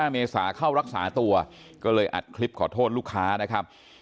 เมษาเข้ารักษาตัวก็เลยอัดคลิปขอโทษลูกค้านะครับ